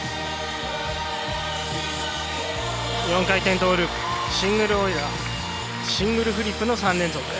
４回転トウループ、シングルオイラー、シングルフリップの３連続。